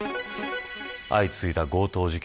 相次いだ強盗事件